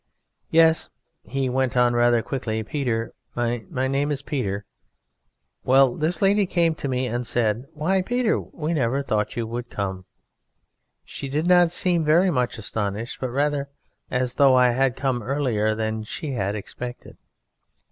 "Yes," he went on rather quickly, "Peter my name is Peter. Well, this lady came up to me and said, 'Why, Peter, we never thought you would come!' She did not seem very much astonished, but rather as though I had come earlier than she had expected.